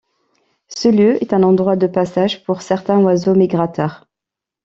Ce lieu est un endroit de passage pour certains oiseaux migrateurs.